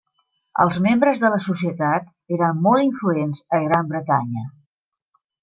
Els membres de la societat eren molt influents a Gran Bretanya.